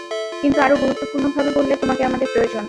কিন্তু আরো গুরুত্বপূর্ণভাবে বললে, তোমাকে আমাদের প্রয়োজন।